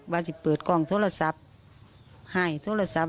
วันที่เปิดกล้องโทรศัพท์ให้โทรศัพท์